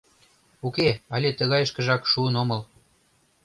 Уке, але тыгайышкыжак шуын омыл.